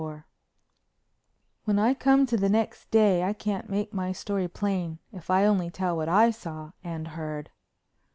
IV When I come to the next day I can't make my story plain if I only tell what I saw and heard.